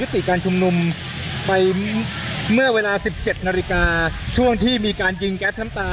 ทางกลุ่มมวลชนทะลุฟ้าทางกลุ่มมวลชนทะลุฟ้า